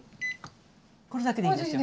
これだけでいいんですよ。